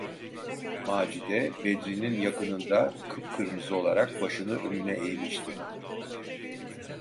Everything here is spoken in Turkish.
Macide, Bedri’nin yakınında, kıpkırmızı olarak başını önüne eğmişti.